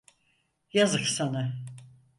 Yazık sana.